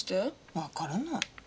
わからない。